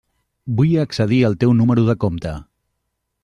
Vull accedir al teu número de compte.